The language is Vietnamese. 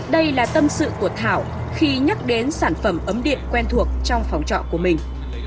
đây là tâm sự của thảo khi nhắc đến sản phẩm ấm điện quen thuộc trong phòng trọ của mình